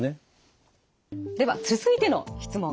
では続いての質問